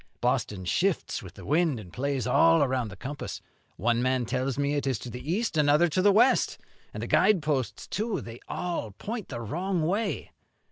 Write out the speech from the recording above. Boston shifts with the wind, and plays all around the compass. One man tells me it is to the east, another to the west; and the guide posts, too, they all point the wrong way.'